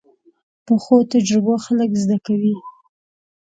پخو تجربو خلک زده کوي